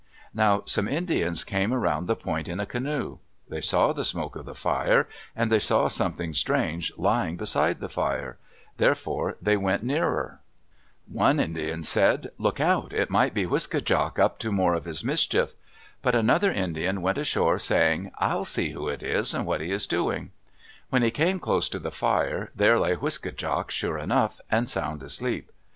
Now some Indians came around the point in a canoe. They saw the smoke of the fire, and they saw something strange lying beside the fire. Therefore they went nearer. [Illustration: Indian Pipes From "Memoirs, American Museum of Natural History"] One Indian said, "Look out, it might be Wiske djak up to more of his mischief!" But another Indian went ashore, saying, "I'll see who it is and what he is doing." When he came close to the fire, there lay Wiske djak, sure enough, and sound asleep.